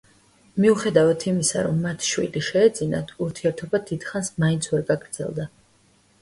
მიუხედავად იმისა, რომ მათ შვილი შეეძინათ, ურთიერთობა დიდხანს მაინც ვერ გაგრძელდა.